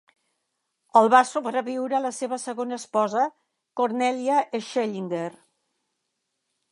El va sobreviure la seva segona esposa, Cornelia Schellinger.